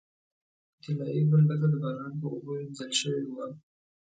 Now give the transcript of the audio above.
طلایي ګنبده د باران په اوبو وینځل شوې وه.